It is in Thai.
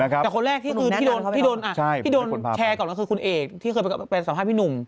แต่คนแรกที่โดนแชร์ก่อนก็คือคุณเอกที่เคยเป็นสามารถให้พี่หนุ่ม